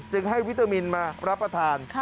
ให้วิตามินมารับประทาน